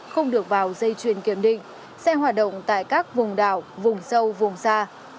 không được vào dây chuyền kiểm định xe hoạt động tại các vùng đảo vùng sâu vùng xa